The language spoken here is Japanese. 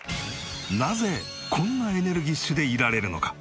なぜこんなエネルギッシュでいられるのか？